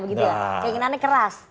kayaknya nane keras